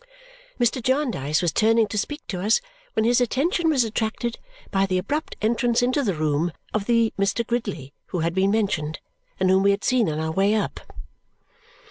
Mr. Jarndyce was turning to speak to us when his attention was attracted by the abrupt entrance into the room of the Mr. Gridley who had been mentioned and whom we had seen on our way up.